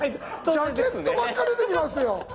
ジャケットばっか出てきますよ。